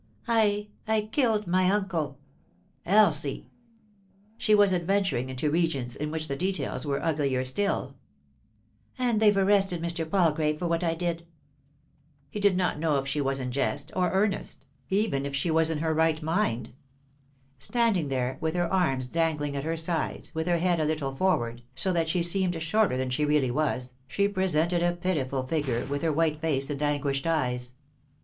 " "I— I killed my uncle." "Elsie I" She was adventuring into regions in which the details were uglier still " And they've arrested Mr. Palgrave for what I did." He did not know if she was in jest or earnest ; 297 3i 9 iii^d by Google THE INTERRUPTED KISS even if she was in her right mind. Standing there, with her arms dangling at her sides, with her head a little forward, so that she seemed shorter than she really was, she presented a pitiful figure, with ha white face and anguished eyes.